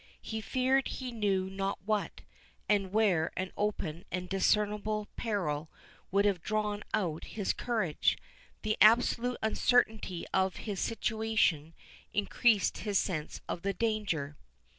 He feared he knew not what; and where an open and discernible peril would have drawn out his courage, the absolute uncertainty of his situation increased his sense of the danger.